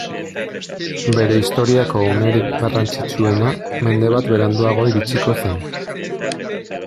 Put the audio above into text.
Bere historiako unerik garrantzitsuena, mende bat beranduago iritsiko zen.